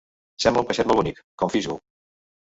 Sembla un peixet molt bonic, com FishGo.